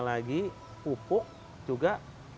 lagi pupuk juga